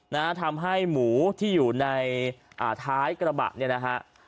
นะฮะทำให้หมูที่อยู่ในอ่าท้ายกระบะเนี่ยนะฮะ